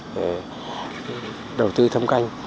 đối với đầu tư thâm canh